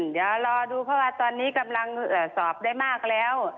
เดี๋ยวรอดูเพราะว่าตอนนี้กำลังสอบได้มากแล้ว